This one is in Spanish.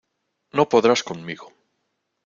No podrás conmigo.